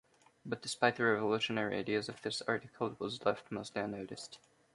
But despite the revolutionary ideas of this article it was left mostly unnoticed.